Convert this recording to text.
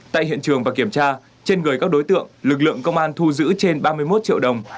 tại hiện trường và kiểm tra trên người các đối tượng lực lượng công an thu giữ trên ba mươi một triệu đồng